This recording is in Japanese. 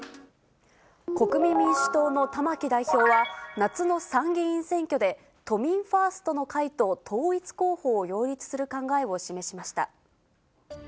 国民民主党の玉木代表は、夏の参議院選挙で、都民ファーストの会と統一候補を擁立する考えを示しました。